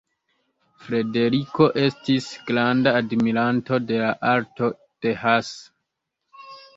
Frederiko estis granda admiranto de la arto de Hasse.